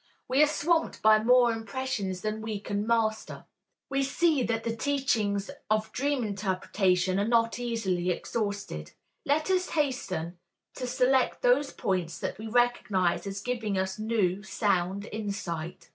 We are swamped by more impressions than we can master. We see that the teachings of dream interpretation are not easily exhausted. Let us hasten to select those points that we recognize as giving us new, sound insight.